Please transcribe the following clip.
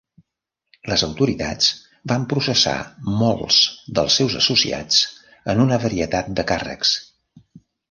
Les autoritats van processar molts dels seus associats en una varietat de càrrecs.